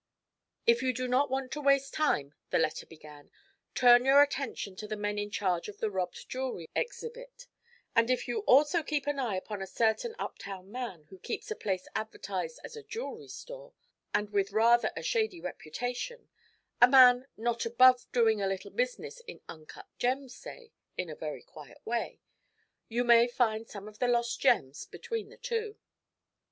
'If you do not want to waste time,' the letter began, 'turn your attention to the men in charge of the robbed jewellery exhibit; and if you also keep an eye upon a certain up town man who keeps a place advertised as a "jewellery store," and with rather a shady reputation a man not above doing a little business in uncut gems, say, in a very quiet way you may find some of the lost gems between the two.'